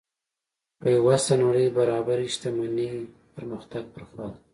پیوسته نړۍ برابرۍ شتمنۍ پرمختګ پر خوا ده.